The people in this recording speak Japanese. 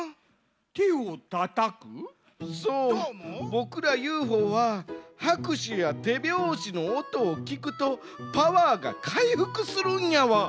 ボクらＵＦＯははくしゅやてびょうしのおとをきくとパワーがかいふくするんやわ。